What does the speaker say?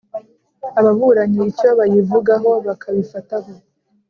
Ababuranyi icyo bayivugaho akabifataho